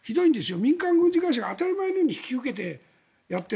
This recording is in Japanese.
民間軍事会社が当たり前のように引き受けてやっている。